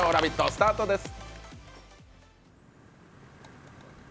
スタートです。